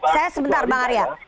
saya sebentar bang arya